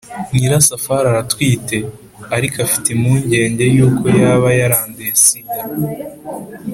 nyirasafari aratwite, ariko afite impungenge yuko yaba yaranduye sida.